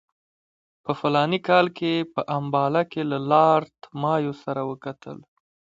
په فلاني کال کې یې په امباله کې له لارډ مایو سره وکتل.